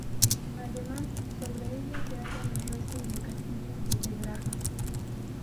Además, sobre ella se hallan los restos del castillo de Pedraja.